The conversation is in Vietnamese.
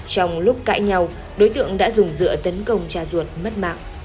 trong lúc cãi nhau đối tượng đã dùng dựa tấn công cha ruột mất mạng